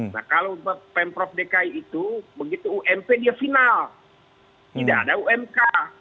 nah kalau pemprov dki itu begitu ump dia final tidak ada umk